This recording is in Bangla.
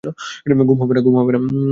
ঘুম হবে না।